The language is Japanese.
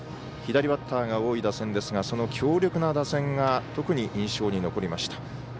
左バッターが多い打線ですがその強力な打線が特に印象に残りました。